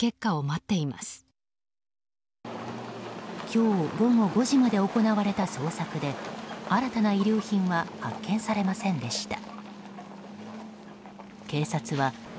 今日午後５時まで行われた捜索で新たな遺留品は発見されませんでした。